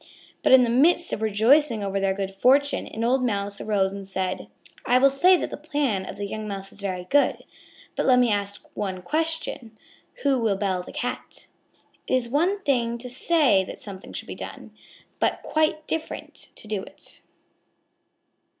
But in the midst of the rejoicing over their good fortune, an old Mouse arose and said: "I will say that the plan of the young Mouse is very good. But let me ask one question: Who will bell the Cat?" _It is one thing to say that something should be done, but quite a different matter to do it.